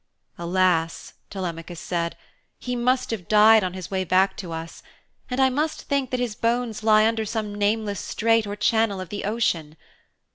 'Alas,' Telemachus said, 'he must have died on his way back to us, and I must think that his bones lie under some nameless strait or channel of the ocean.